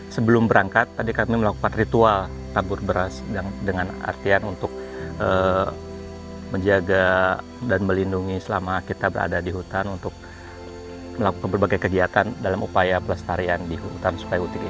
sebelum berangkat tadi kami melakukan ritual tabur beras dengan artian untuk menjaga dan melindungi selama kita berada di hutan untuk melakukan berbagai kegiatan dalam upaya pelestarian di hutan sungai util ini